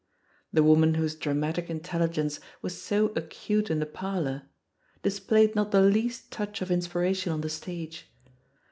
The woman whose dramatic intelligence was so acute in the parlour, displayed not the least touch of inspiration on the stage.